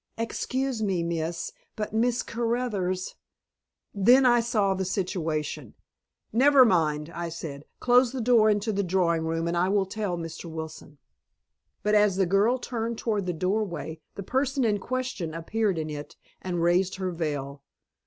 "Excuse me, miss, but Miss Caruthers " Then I saw the situation. "Never mind," I said. "Close the door into the drawing room, and I will tell Mr. Wilson." But as the girl turned toward the doorway, the person in question appeared in it, and raised her veil.